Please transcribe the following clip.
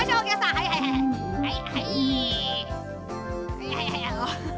はいはいはいはい。